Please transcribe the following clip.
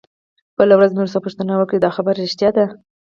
بله ورځ مې ورڅخه پوښتنه وکړه چې دا خبره رښتيا ده.